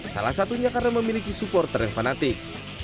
salah satunya karena memiliki supporter yang fanatik